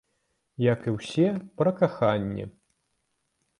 Як і ўсе, пра каханне!